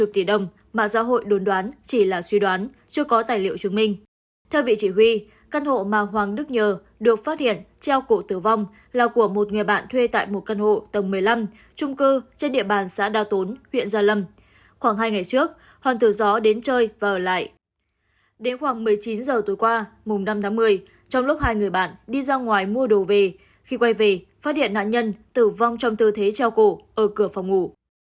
trong một mươi chín h tối qua mùng năm một mươi trong lúc hai người bạn đi ra ngoài mua đồ về khi quay về phát hiện nạn nhân tử vong trong tư thế treo cổ ở cửa phòng ngủ